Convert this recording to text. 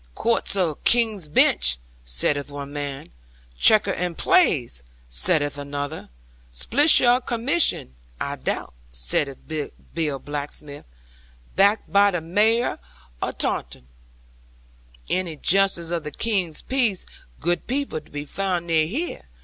'"Coort o' King's Bench," saith one man; "Checker and Plays," saith another; "Spishal Commission, I doubt," saith Bill Blacksmith; "backed by the Mayor of Taunton." '"Any Justice of the King's Peace, good people, to be found near here?"